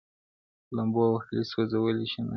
لمبو وهلی سوځولی چنار!